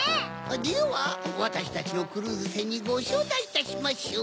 ではわたしたちのクルーズせんにごしょうたいいたしましょう。